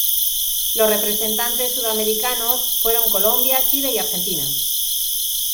Los representantes sudamericanos fueron Colombia, Chile y Argentina.